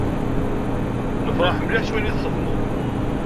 Nefreḥ mliḥ s wayen i txedmeḍ.